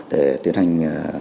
để tiến hành